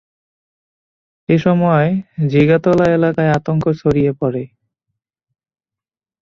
এ সময় জিগাতলা এলাকায় আতঙ্ক ছড়িয়ে পড়ে।